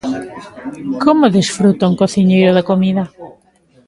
Como desfruta un cociñeiro da comida?